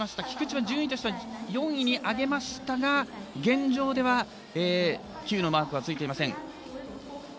菊池は４位に上げましたが現状ではＱのマークはついていません。